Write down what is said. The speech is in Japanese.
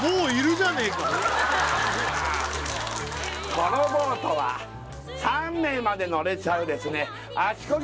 このボートは３名まで乗れちゃう足こぎ